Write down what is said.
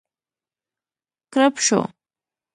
کړپ شو.